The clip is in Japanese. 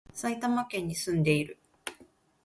埼玉県に住んでいる